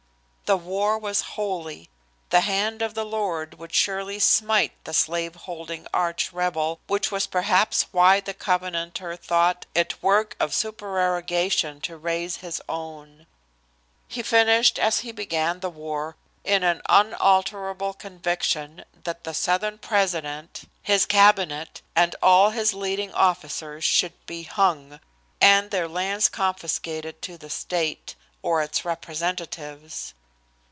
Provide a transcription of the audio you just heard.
The war was holy. The hand of the Lord would surely smite the slave holding arch rebel, which was perhaps why the Covenanter thought it work of supererogation to raise his own. He finished as he began the war, in the unalterable conviction that the Southern President, his cabinet and all his leading officers should be hung, and their lands confiscated to the state or its representatives.